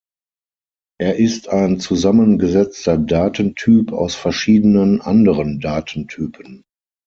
Er ist ein zusammengesetzter Datentyp aus verschiedenen anderen Datentypen.